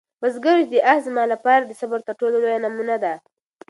بزګر وویل چې دا آس زما لپاره د صبر تر ټولو لویه نمونه ده.